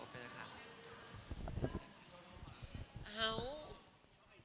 ไปหาที่ไหนอ่ะ